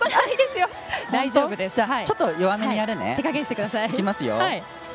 ちょっと弱めにやるね。